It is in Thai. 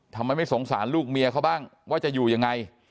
ทำไมไม่สงสารลูกเมียเขาบ้างว่าจะอยู่ยังไง